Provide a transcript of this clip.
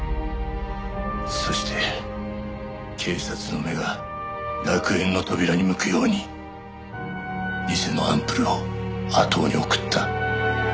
そして警察の目が楽園の扉に向くように偽のアンプルを阿藤に送った。